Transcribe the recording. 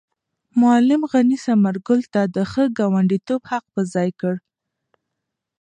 معلم غني ثمر ګل ته د ښه ګاونډیتوب حق په ځای کړ.